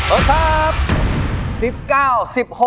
โอเคครับ